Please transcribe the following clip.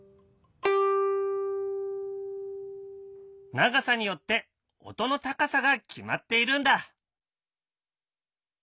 長さによって音の高さが決まっているんだ。